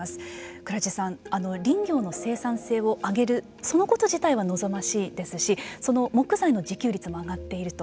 蔵治さん、林業の生産性を上げるそのこと自体は望ましいですしその木材の自給率も上がっていると。